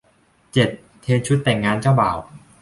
เจ็ด เทรนด์ชุดแต่งงานเจ้าบ่าว